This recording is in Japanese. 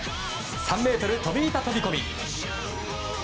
３ｍ飛板飛込。